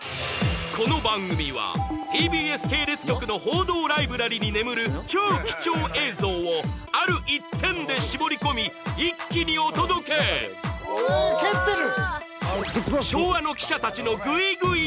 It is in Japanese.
この番組はＴＢＳ系列局の報道ライブラリーに眠る超貴重映像を「ある一点」で絞り込み一気にお届け蹴ってる！